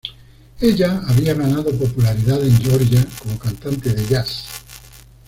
Ella había ganado popularidad en Georgia como cantante de jazz.